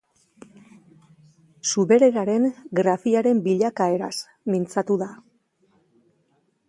Zubereraren grafiaren bilakaeraz mintzatu da.